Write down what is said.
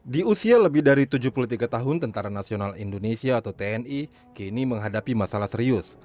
di usia lebih dari tujuh puluh tiga tahun tni kini menghadapi masalah serius